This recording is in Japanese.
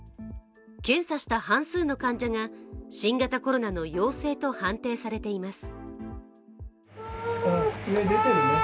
検査した半数の患者が新型コロナの陽性と判定されています。